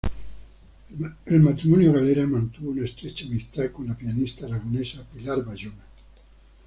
El matrimonio Galera mantuvo una estrecha amistad con la pianista aragonesa Pilar Bayona.